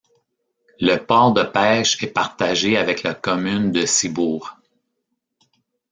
Le port de pêche est partagé avec la commune de Ciboure.